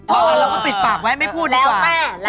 เราก็ปิดปากไว้ไม่พูดดีกว่า